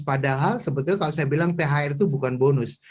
padahal sebetulnya kalau saya bilang thr itu bukan bonus